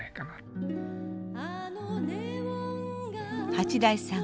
八大さん